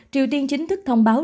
triều tiên chính thức thông báo